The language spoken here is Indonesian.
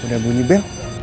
udah bunyi bel